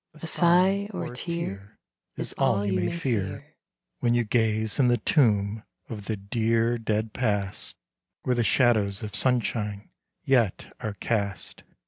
A sigh or a tear Is all you may fear When you gaze in the tomb of the dear dead past, Where the shadows of sunshine yet are cast.